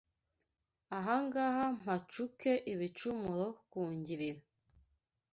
Ahangaha mpacuke Ibicumuro nkugilira